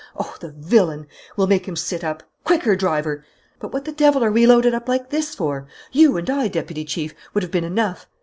Oh, the villain, we'll make him sit up! Quicker, driver! But what the devil are we loaded up like this for? You and I, Deputy Chief, would have been enough.